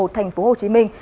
thành phố hồ chí minh